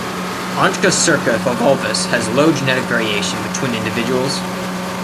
"Onchocerca volvulus" has low genetic variation between individuals.